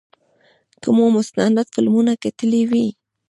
که مو مستند فلمونه کتلي وي.